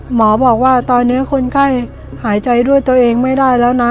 หมอบอกว่าตอนนี้คนไข้หายใจด้วยตัวเองไม่ได้แล้วนะ